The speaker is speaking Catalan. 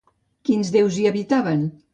Quins déus hi habitaven?